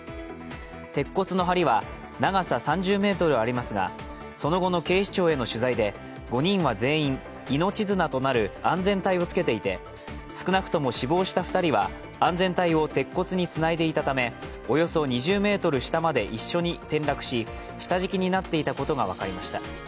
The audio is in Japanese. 鉄骨のはりは長さ３０ｍありますが、その後の警視庁への取材で５人は全員、命綱となる安全帯をつけていて少なくとも死亡した２人は安全帯を鉄骨につないでいたためおよそ２０ｍ下まで一緒に転落し下敷きになっていたことが分かりました。